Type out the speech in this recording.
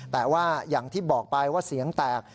แต่ว่าอย่างที่บอกไปว่าเสียงแตก